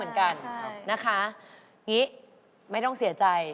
อย่างนี้ไม่ต้องเสียใจ